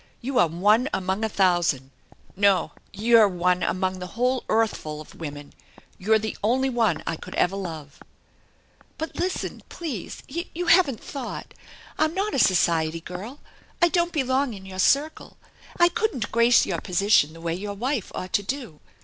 You are one among a thousand ! No, you're one among the whole earthf ul of women I You're the only one I could ever love !" "But listen, please; you haven't thought. I'm not a society girl. I don't belong in your circle. I couldn't grace your position the way your wife ought to do.